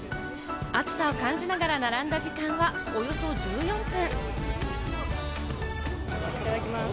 暑さを感じながら並んだ時間は、およそ１４分。